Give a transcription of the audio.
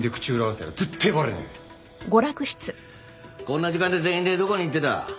こんな時間で全員でどこに行ってた？